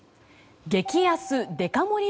激安・デカ盛り